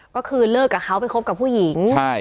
ก็คือเลิกกับเขาไปคบกับผู้หญิง